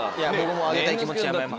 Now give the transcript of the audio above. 僕もあげたい気持ちはやまやま。